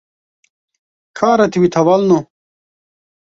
Ka retwît hevalino?